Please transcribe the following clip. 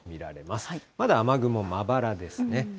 まだ雨雲まばらですね。